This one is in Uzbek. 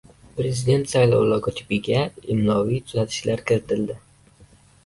Prezident saylovi logotipiga imloviy tuzatishlar kiritildi